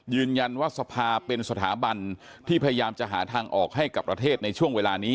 ยืนยันว่าสภาเป็นสถาบันที่พยายามจะหาทางออกให้กับประเทศในช่วงเวลานี้